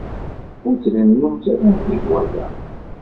Ur trennumt ara nnig waya.